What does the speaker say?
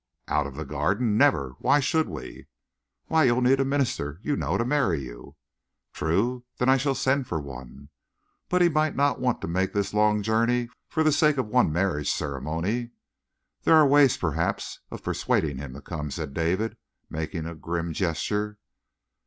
"Out of the Garden? Never! Why should we?" "Why, you'll need a minister, you know, to marry you." "True. Then I shall send for one." "But he might not want to make this long journey for the sake of one marriage ceremony." "There are ways, perhaps, of persuading him to come," said David, making a grim gesture.